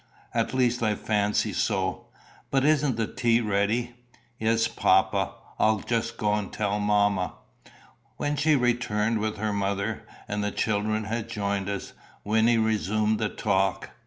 At least, I fancy so. But isn't the tea ready?" "Yes, papa. I'll just go and tell mamma." When she returned with her mother, and the children had joined us, Wynnie resumed the talk.